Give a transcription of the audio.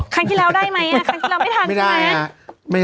ครั้นทีแล้วได้ไหมค่ะครั้นทีเราไม่ทำแล้ว